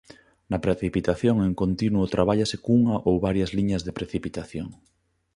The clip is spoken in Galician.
Na precipitación en continuo trabállese cunha ou con varias liñas de precipitación.